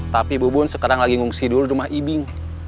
tapi bubun sekarang lagi ngungsi dulu rumah ibing